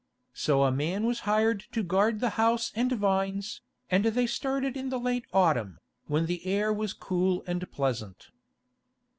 So a man was hired to guard the house and vines, and they started in the late autumn, when the air was cool and pleasant.